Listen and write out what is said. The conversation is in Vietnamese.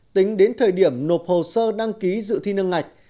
tính đến thời điểm nộp hồ sơ đăng ký dự thi nâng ngạch